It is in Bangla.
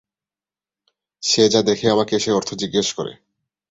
যে যা দেখে আমাকে এসে অর্থ জিজ্ঞেস করে।